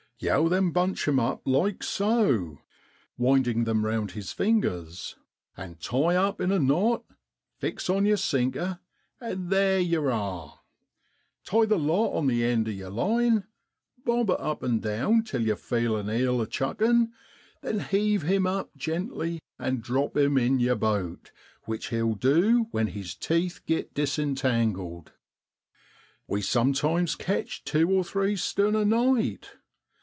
'Yow then bunch 'em up like so ' (winding them round his fingers) 'an' tie up in a knot, fix on yer sinker, an' theer yow are. Tie the lot on the end of yer line, bob it up an' down till you feel an eel a chuckin', then heave hirjx up gently an' drop him in yer boat, which he'll du, when his teeth git disintangled. We sumtimes catch tew or three stone a night.